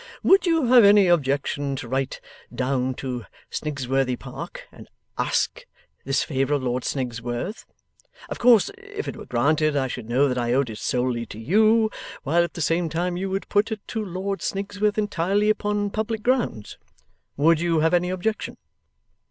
'Would you have any objection to write down to Snigsworthy Park, and ask this favour of Lord Snigsworth? Of course if it were granted I should know that I owed it solely to you; while at the same time you would put it to Lord Snigsworth entirely upon public grounds. Would you have any objection?